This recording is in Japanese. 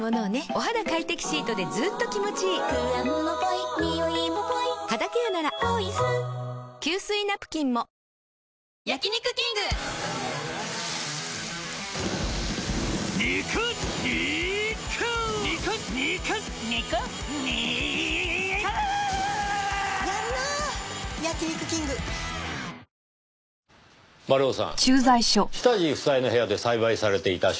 はい。